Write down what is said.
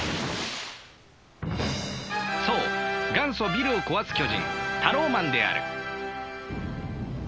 そう元祖ビルを壊す巨人タローマンである。